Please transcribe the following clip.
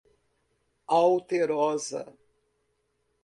Alterosa